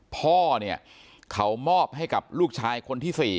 พ่อเนี่ยเขามอบให้กับลูกชายคนที่๔